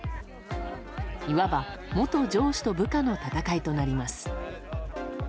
いわば元上司と部下の戦いとなります。